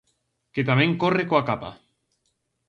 Que tamén corre coa capa.